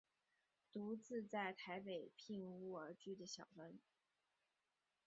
独自在台北赁屋而居的小文。